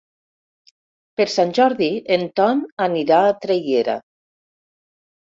Per Sant Jordi en Ton anirà a Traiguera.